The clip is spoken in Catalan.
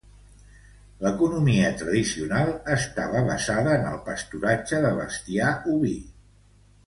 L'economia tradicional estava basada en el pasturatge de bestiar oví.